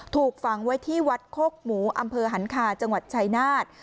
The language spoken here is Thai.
ถูกฝังไว้ที่วัดโคกหมูอำเภอหันคาจังหวัดชายนาฏ